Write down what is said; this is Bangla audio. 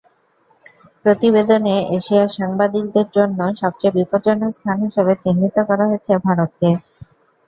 প্রতিবেদনে এশিয়ার সাংবাদিকদের জন্য সবচেয়ে বিপজ্জনক স্থান হিসেবে চিহ্নিত করা হয়েছে ভারতকে।